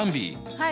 はい。